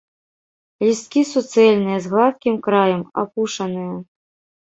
Лісткі суцэльныя, з гладкім краем, апушаныя.